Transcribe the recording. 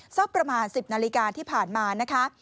สักประมาณ๑๐นาฬิกาที่ผ่านมานะคะ